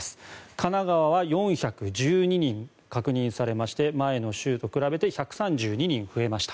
神奈川は４１２人確認されまして前の週と比べて１３２人増えました。